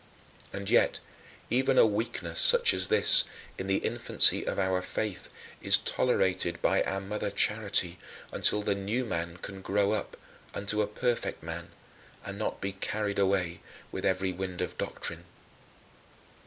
And yet even a weakness such as this, in the infancy of our faith, is tolerated by our Mother Charity until the new man can grow up "unto a perfect man," and not be "carried away with every wind of doctrine."